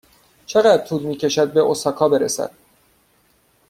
چقدر طول می کشد به اوساکا برسد؟